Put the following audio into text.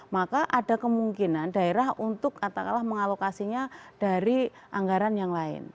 maka ada kemungkinan daerah untuk katakanlah mengalokasinya dari anggaran yang lain